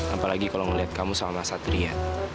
apalagi kalau ngeliat kamu sama satria